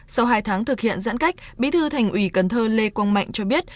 sau hai tháng thực hiện giãn cách bí thư thành ủy cần thơ lê quang mạnh cho biết